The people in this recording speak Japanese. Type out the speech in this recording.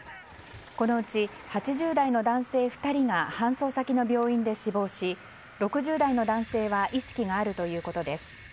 このうち８０代の男性２人が搬送先の病院で死亡し６０代の男性は意識があるということです。